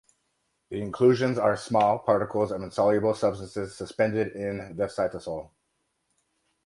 The inclusions are small particles of insoluble substances suspended in the cytosol.